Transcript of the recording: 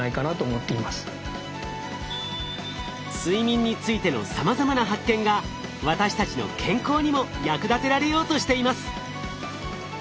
睡眠についてのさまざまな発見が私たちの健康にも役立てられようとしています。